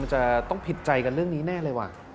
มันจะต้องผิดใจกันเรื่องนี้แน่เลยว่ะ